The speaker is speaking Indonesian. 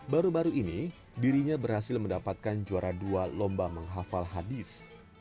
baru baru ini dirinya berhasil mendapatkan juara dua lomba menghafal hadis